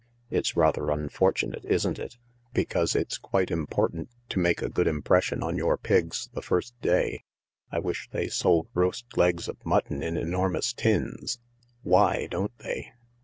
It's rather unfortunate, isn't it ? Because its quite important to make a good impression on your Pigs the first day. I wish they sold roast legs of mutton in enormous tins. Why don't they